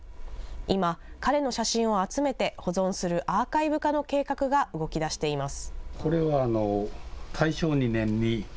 今、彼の写真を集めて保存するアーカイブ化の計画が動き出しています。